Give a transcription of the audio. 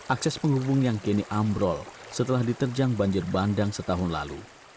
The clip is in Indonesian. akses penghubung yang kini ambrol setelah diterjang banjir bandang setahun lalu